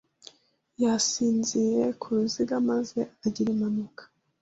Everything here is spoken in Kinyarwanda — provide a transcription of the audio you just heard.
Yasinziriye ku ruziga maze agira impanuka.